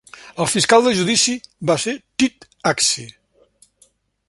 El fiscal del judici va ser Tit Acci.